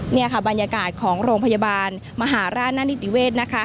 นี่ค่ะบรรยากาศของโรงพยาบาลมหาราชนานิติเวศ